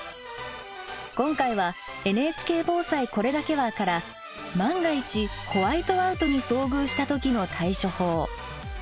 今回は「＃ＮＨＫ防災これだけは」から万が一ホワイトアウトに遭遇した時の対処法。